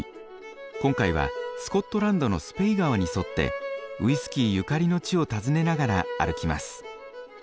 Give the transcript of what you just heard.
今回はスコットランドのスぺイ川に沿ってウイスキーゆかりの地を訪ねながら歩きます。